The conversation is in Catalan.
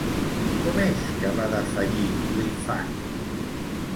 Com és que va defallir l'infant?